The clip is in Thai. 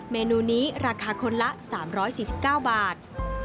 เมนูนี้ราคาคนละ๓๔๙บาท